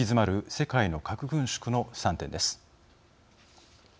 世界の核軍縮の３点です。